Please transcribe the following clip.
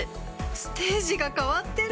ステージが変わってる！